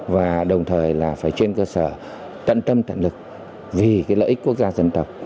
và đồng thời là phải trên cơ sở tận tâm tận lực vì cái lợi ích quốc gia dân tộc